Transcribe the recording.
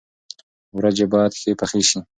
ورجې باید ښې پخې شي.